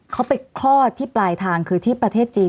เขาไปคลอดที่ปลายทางคือที่ประเทศจีน